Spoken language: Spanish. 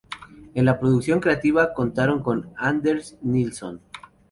En la producción creativa contaron con Anders Nilsson.